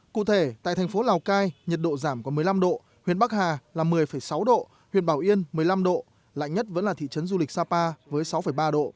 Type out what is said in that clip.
cụ thể tại thành phố lào cai nhiệt độ giảm còn một mươi năm độ huyện bắc hà là một mươi sáu độ huyện bảo yên một mươi năm độ lạnh nhất vẫn là thị trấn du lịch sapa với sáu ba độ